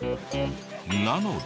なので。